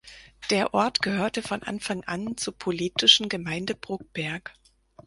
Der Ort gehörte von Anfang an zur politischen Gemeinde Bruckberg.